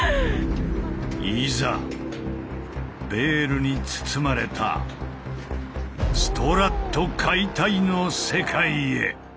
いざベールに包まれたストラット解体の世界へ！